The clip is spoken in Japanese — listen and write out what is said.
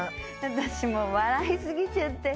私もう笑い過ぎちゃって。